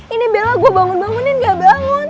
ini bella gue bangun bangunin gak bangun